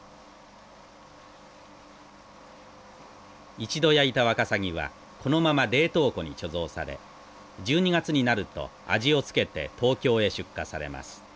一度焼いたワカサギはこのまま冷凍庫に貯蔵され１２月になると味をつけて東京へ出荷されます。